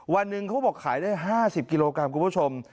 วันหนึ่งเขาบอกขายได้๕๐กิโลกรัมคุณผู้ชม